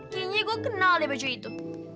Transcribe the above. kayaknya gue kenal deh baju itu